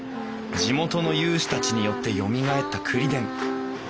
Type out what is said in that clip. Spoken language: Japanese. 地元の有志たちによってよみがえったくりでん。